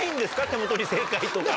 手元に正解とか。